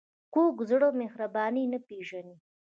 کوږ زړه مهرباني نه پېژني